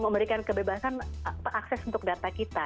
memberikan kebebasan akses untuk data kita